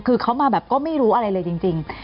คือเขามาแบบก็ไม่รู้อะไรเลยจริง